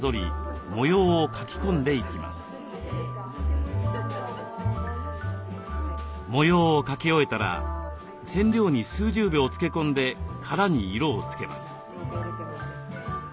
模様を描き終えたら染料に数十秒つけ込んで殻に色をつけます。